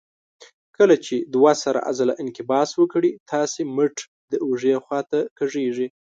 کله چې دوه سره عضله انقباض وکړي تاسې مټ د اوږې خواته کږېږي.